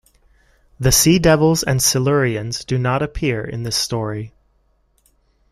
The Sea Devils and Silurians do not appear in this story.